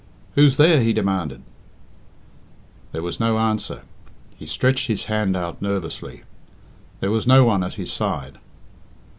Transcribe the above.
"Who's there?" he demanded. There was no answer. He stretched his hand out nervously. There was no one at his side.